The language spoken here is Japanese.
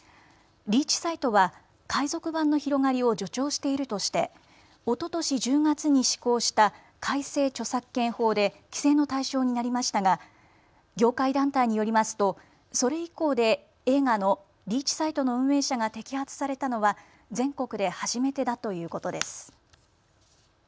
リーチサイトは海賊版の広がりを助長しているとしておととし１０月に施行した改正著作権法で規制の対象になりましたが業界団体によりますとそれ以降で映画のリーチサイトの運営者が摘発されたのは全国で初めてだということです。